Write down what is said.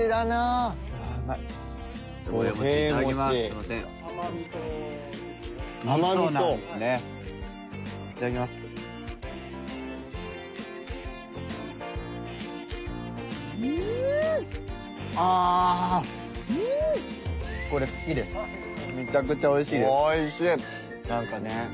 なんかね